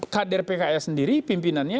kadir pks sendiri pimpinannya